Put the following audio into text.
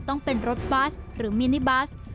ต้องเป็นรถบัสหรือมินิบัส